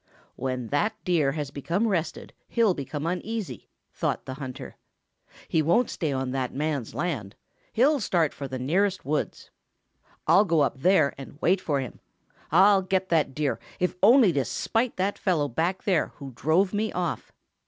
"When that Deer has become rested he'll become uneasy," thought the hunter. "He won't stay on that man's land. He'll start for the nearest woods. I'll go up there and wait for him. I'll get that Deer if only to spite that fellow back there who drove me off.